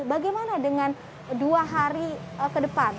bagaimana dengan dua hari ke depan